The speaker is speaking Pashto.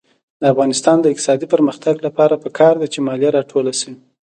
د افغانستان د اقتصادي پرمختګ لپاره پکار ده چې مالیه راټوله شي.